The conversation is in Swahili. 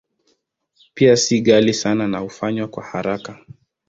Pia si ghali sana na hufanywa kwa haraka.